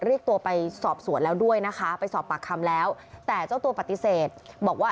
เรียกตัวไปสอบสวนแล้วด้วยนะคะไปสอบปากคำแล้วแต่เจ้าตัวปฏิเสธบอกว่า